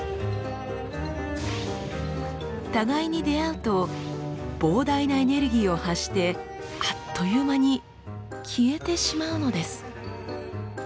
互いに出会うと膨大なエネルギーを発してあっという間に消えてしまうのです。